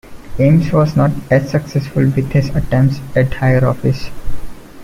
Ames was not as successful with his attempts at higher office.